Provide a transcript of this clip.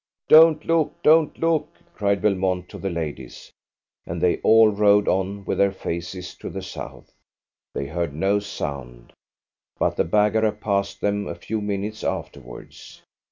"Don't look! don't look!" cried Belmont to the ladies, and they all rode on with their faces to the south. They heard no sound, but the Baggara passed them a few minutes afterwards.